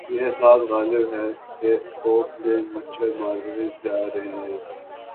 یہ احساس غالب ہے کہ توپ سے مچھر مارے جا رہے ہیں۔